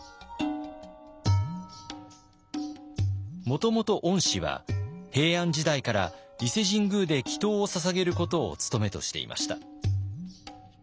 もともと御師は平安時代から伊勢神宮で祈とうをささげることを務めとしていました。